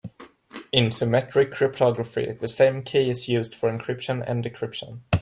In symmetric cryptography the same key is used for encryption and decryption.